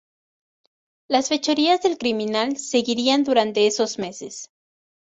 Las fechorías del criminal seguirían durante esos meses.